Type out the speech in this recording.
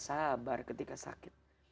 sabar ketika sakit